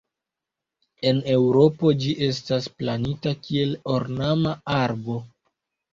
En Eŭropo ĝi estas plantita kiel ornama arbo.